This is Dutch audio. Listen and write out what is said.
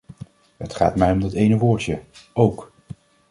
Het gaat mij om dat ene woordje: ook.